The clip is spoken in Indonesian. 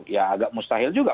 ya agak mustahil juga